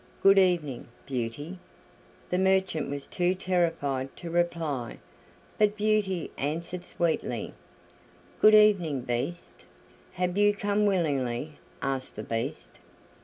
Good evening, Beauty." The merchant was too terrified to reply, but Beauty answered sweetly: "Good evening, Beast." "Have you come willingly?" asked the Beast.